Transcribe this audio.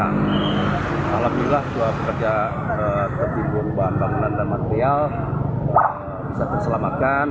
dan alhamdulillah dua pekerja tertimbun bahan bangunan dan material bisa terselamatkan